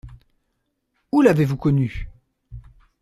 Où l’avez-vous connue ?